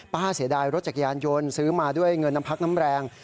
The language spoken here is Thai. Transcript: ป้าเสียดายรถจักรยานยนต์ซื้อมาด้วยเงินน้ำพักน้ำแรง